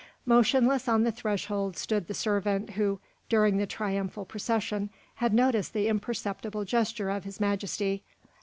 Motionless on the threshold stood the servant who, during the triumphal procession, had noticed the imperceptible gesture of His Majesty.